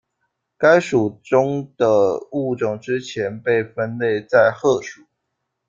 该属中的物种之前被分类在鹤属。